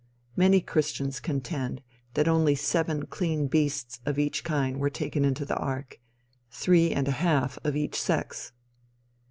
Many christians contend that only seven clean beasts of each kind were taken into the ark three and a half of each sex.